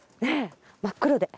真っ黒で。